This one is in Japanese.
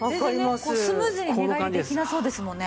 スムーズに寝返りできなそうですもんね。